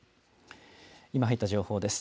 今入った情報です。